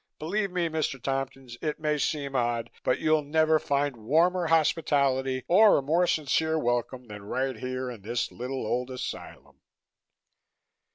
Believe me, Mr. Tompkins, it may seem odd but you'll never find warmer hospitality or a more sincere welcome than right here in this little old asylum."